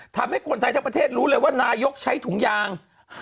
ธับให้คนไทยทางประเทศรู้แล้วว่านายกใช้ถุงย่าง